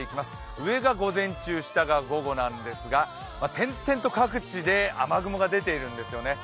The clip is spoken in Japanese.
上が午前中、下が午後なんですが点々と各地で雨雲が出ているんですよね。